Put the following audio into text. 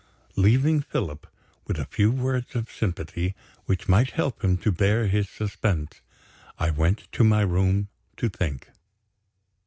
Leaving Philip, with a few words of sympathy which might help him to bear his suspense, I went to my room to think.